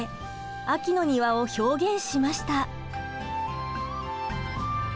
秋の庭を表現しました。